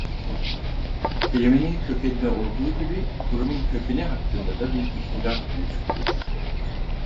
Kelimenin kökenine olduğu gibi kurumun kökeni hakkında da bir ihtilaf mevcuttur.